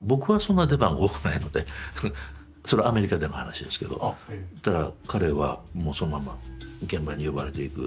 僕はそんな出番多くないのでそれはアメリカでの話ですけど彼はもうそのまま現場に呼ばれて行く。